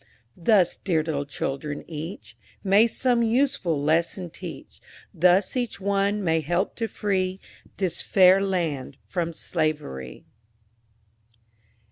Thus, dear little children, each May some useful lesson teach; Thus each one may help to free This fair land from slavery.